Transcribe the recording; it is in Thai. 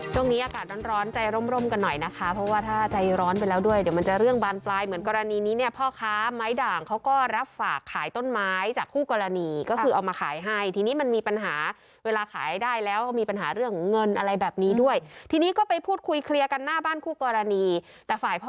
ช่วงนี้อากาศร้อนร้อนใจร่มร่มกันหน่อยนะคะเพราะว่าถ้าใจร้อนไปแล้วด้วยเดี๋ยวมันจะเรื่องบานปลายเหมือนกรณีนี้เนี่ยพ่อค้าไม้ด่างเขาก็รับฝากขายต้นไม้จากคู่กรณีก็คือเอามาขายให้ทีนี้มันมีปัญหาเวลาขายได้แล้วก็มีปัญหาเรื่องเงินอะไรแบบนี้ด้วยทีนี้ก็ไปพูดคุยเคลียร์กันหน้าบ้านคู่กรณีแต่ฝ่ายพ่อ